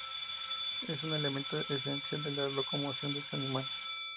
Es un elemento esencial de la locomoción de este animal.